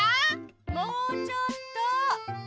・もうちょっと。